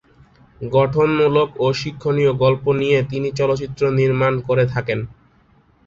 গঠনমূলক ও শিক্ষনীয় গল্প নিয়ে তিনি চলচ্চিত্র নির্মাণ করে থাকেন।